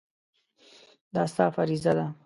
دا ستا فریضه ده.